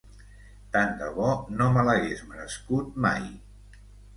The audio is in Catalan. Tant de bo no me l’hagués merescut mai.